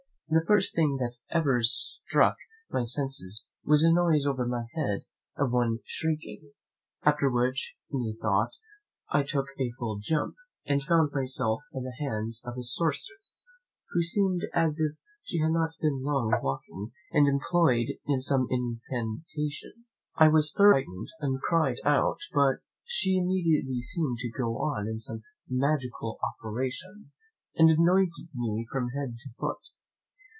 The first thing that ever struck my senses was a noise over my head of one shrieking; after which, methought, I took a full jump, and found myself in the hands of a sorceress, who seemed as if she had been long waking and employed in some incantation: I was thoroughly frightened, and cried out; but she immediately seemed to go on in some magical operation, and anointed me from head to foot.